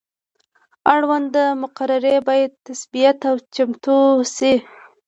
اړونده مقررې باید تثبیت او چمتو شي.